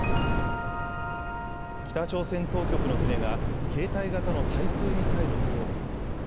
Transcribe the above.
北朝鮮当局の船が携帯型の対空ミサイルを装備。